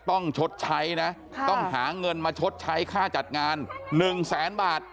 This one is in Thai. ต้องชดใช้นะค่ะต้องหาเงินมาชดใช้ค่าจัดงานหนึ่งแสนบาท